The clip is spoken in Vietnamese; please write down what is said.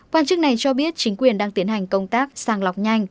quan chức này cho biết chính quyền đang tiến hành công tác sàng lọc nhanh